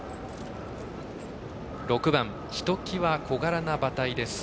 ６番、ひときわ小柄な馬体です。